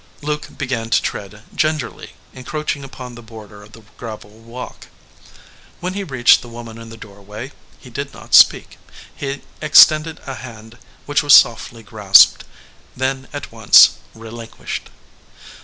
Luke began to tread gingerly, encroaching upon the border of the gravel walk. When he reached the woman in the doorway he did not speak. He extended a hand, which was softly grasped, then at once relinquished.